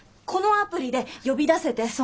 このアプリで呼び出せて。